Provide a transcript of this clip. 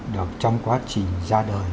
được trong quá trình ra đời